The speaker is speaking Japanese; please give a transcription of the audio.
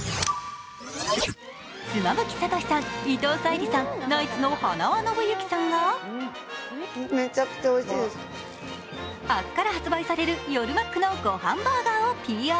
妻夫木聡さん、伊藤沙莉さん、ナイツの塙宣之さんが明日から発売される夜マックのごはんバーガーをＰＲ。